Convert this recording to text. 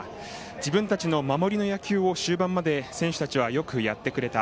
自分たちの守りの野球を選手たちはよくやってくれた。